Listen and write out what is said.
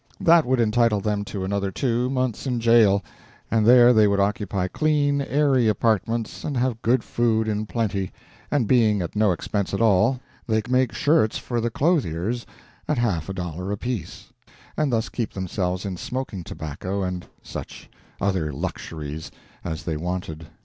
That would entitle them to another two months in jail, and there they would occupy clean, airy apartments, and have good food in plenty, and being at no expense at all, they could make shirts for the clothiers at half a dollar apiece and thus keep themselves in smoking tobacco and such other luxuries as they wanted.